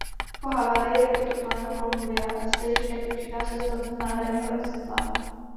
Po havárii raketoplánu "Columbia" se již nepočítá se stavbou náhradního exempláře.